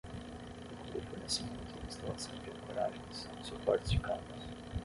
Inclui fornecimento e instalação de ancoragens, suportes de cabos.